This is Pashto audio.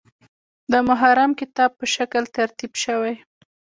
د محرم کتاب په شکل ترتیب شوی.